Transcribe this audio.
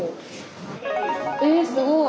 えすごい。